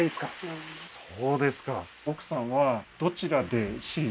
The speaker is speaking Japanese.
うんそうですか